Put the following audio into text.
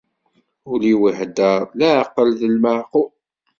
Ul-iw ihedder leɛqel d lmeɛqul.